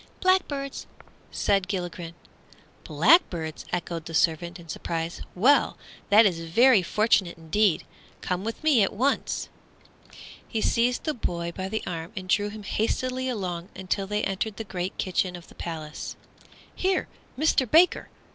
"Blackbirds," replied Gilligren. "Blackbirds!" echoed the servant, in surprise, "well, that is very fortunate indeed. Come with me at once!" He seized the boy by the arm and drew him hastily along until they entered the great kitchen of the palace. "Here, Mister Baker!"